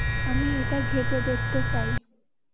আমি এটা ঘেঁটে দেখতে চাই।